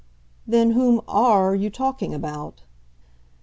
"Then whom, ARE you talking about?"